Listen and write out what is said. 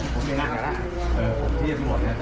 สั่งราคารบริสุทธญภาพสมยนต์